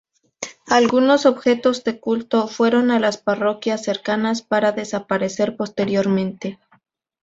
Algunos objetos de culto fueron a las parroquias cercanas para desaparecer posteriormente.